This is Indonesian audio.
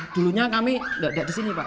dulunya kami tidak ada di sini pak